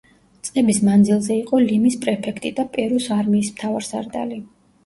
წლების მანძილზე იყო ლიმის პრეფექტი და პერუს არმიის მთავარსარდალი.